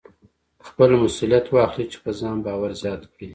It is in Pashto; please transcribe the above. خپله مسوليت واخلئ چې په ځان باور زیات کړئ.